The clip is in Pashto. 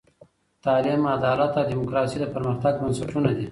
تعلیم، عدالت او دیموکراسي د پرمختګ بنسټونه دي.